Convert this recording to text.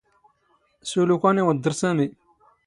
ⵙⵓⵍ ⵓⴽⴰⵏ ⵉⵡⴹⴹⵕ ⵙⴰⵎⵉ.